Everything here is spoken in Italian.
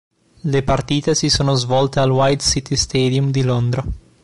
Le partite si sono svolte al White City Stadium di Londra.